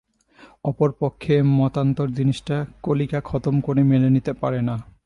অপর পক্ষে মতান্তর জিনিসটা কলিকা খতম করে মেনে নিতে পারে না।